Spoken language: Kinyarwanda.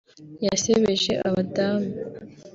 yasebeje abadamu